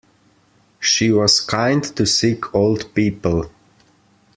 She was kind to sick old people.